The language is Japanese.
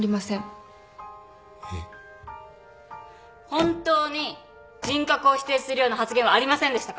本当に人格を否定するような発言はありませんでしたか？